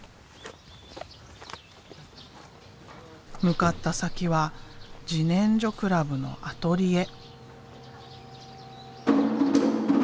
向かった先は自然生クラブのアトリエ。